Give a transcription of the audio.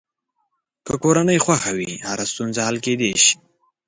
که کورنۍ خوښه وي، هره ستونزه حل کېدلی شي.